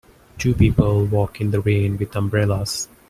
Two people walk in the rain with umbrellas.